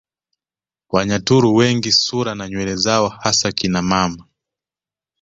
Wanyaturu wengi sura na nywele zao hasa kina mama